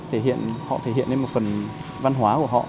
họ thể hiện lên một phần văn hóa của họ